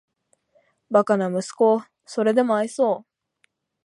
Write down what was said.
バカな息子をーーーーそれでも愛そう・・・